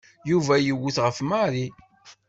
Yuba yewwet ɣef Mary.